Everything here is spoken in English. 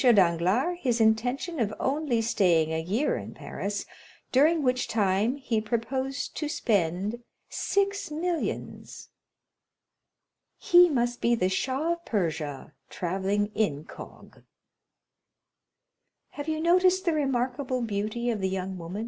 Danglars his intention of only staying a year in Paris, during which time he proposed to spend six millions. "He must be the Shah of Persia, travelling incog." "Have you noticed the remarkable beauty of the young woman, M.